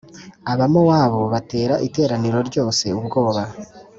abamowabu batera iteraniro ryose ubwoba